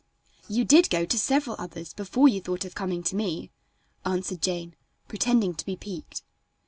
"You did go to several others before you thought of coming to me," answered Jane, pretending to be piqued.